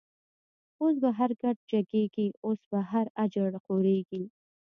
اوس په هر کډو جگیږی، اوس په هر”اجړ” خوریږی